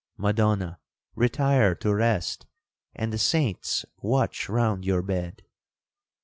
Madonna, retire to rest, and the saints watch round your bed!'